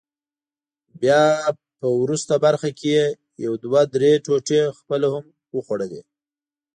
بیا په وروست برخه کې یې یو دوه درې ټوټې خپله هم وخوړلې.